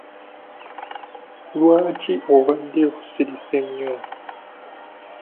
Lwaki obadde osirise nnyo?